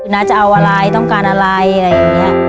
จะเอาอะไรต้องการอะไรอะไรอย่างนี้